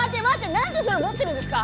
何でそれ持ってるんですか？